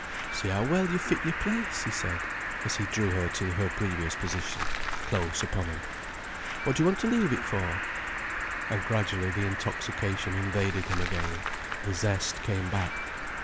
"See how well you fit your place," he said, as he drew her to her previous position, close upon him. "What do you want to leave it for?" And gradually the intoxication invaded him again, the zest came back.